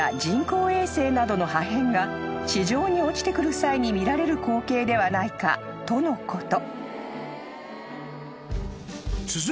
［地上に落ちてくる際に見られる光景ではないかとのこと］